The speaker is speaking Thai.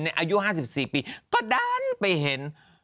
อายุ๕๔ปีก็ดันไปเห็น